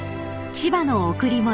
［『千葉の贈り物』］